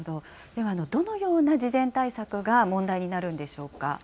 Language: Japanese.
では、どのような事前対策が問題になるんでしょうか。